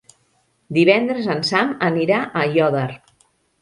Divendres en Sam anirà a Aiòder.